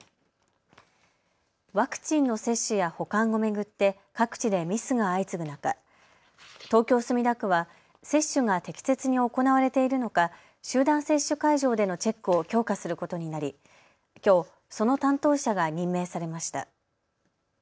ワクチンの推進や保管を巡って各地でミスが相次ぐ中、東京墨田区は接種が適切に行われているのか集団接種会場でのチェックを強化することになりきょう、その担当者が任命されました。